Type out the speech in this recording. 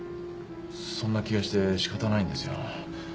そんな気がして仕方ないんですよ。